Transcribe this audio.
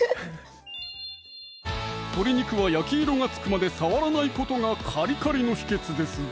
鶏肉は焼き色がつくまで触らないことがカリカリの秘訣ですぞ